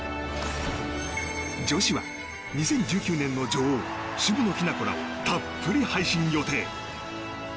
女子は２０１９年の女王渋野日向子らをたっぷり配信予定。